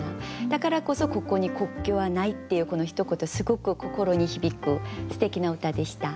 だからこそ「ここに国境はない」っていうこのひと言すごく心に響くすてきな歌でした。